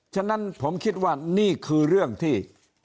ฉะนั้นผมคิดว่านี่คือเรื่องที่